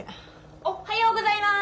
おっはようございます！